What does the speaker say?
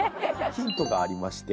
ヒントがありまして。